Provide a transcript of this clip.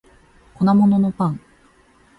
米粉のパン